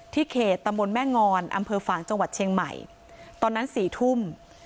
เขตตำบลแม่งอนอำเภอฝางจังหวัดเชียงใหม่ตอนนั้น๔ทุ่ม